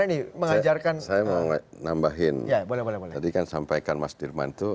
dan dia penyu xyz untuk aku buat neuro enix dan dia focusess to wireless dan tadi aku juga pengen menghadir the mattrek